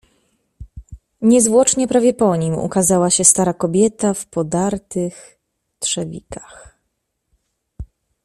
"Niezwłocznie prawie po nim ukazała się stara kobieta w podartych trzewikach."